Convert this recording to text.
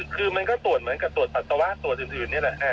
คือมันก็ตรวจเหมือนกับตรวจปัสสาวะตรวจอื่นนี่แหละ